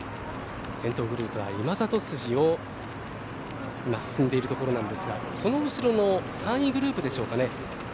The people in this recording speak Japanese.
先頭グループは今里筋を今、進んでいるところなんですがその後ろの３位グループでしょうかね